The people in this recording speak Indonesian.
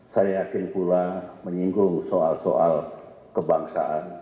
saya yakin pula menyinggung soal soal kebangsaan